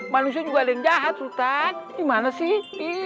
manusia juga ada yang jahat hutan gimana sih